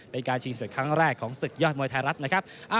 เป็นการชิงสุดครั้งแรกของศึกยอดมวยไทยรัฐนะครับ